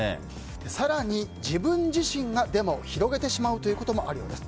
更に自分自身がデマを広げてしまうこともあるそうです。